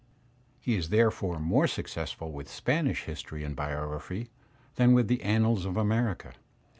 He is therefore more successful with Spanish history and biography, than with the annals of America.